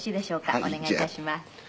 お願い致します。